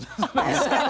確かに。